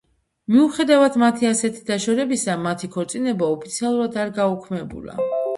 მიუხედავად მათი ასეთი დაშორებისა, მათი ქორწინება ოფიციალურად არ გაუქმებულა.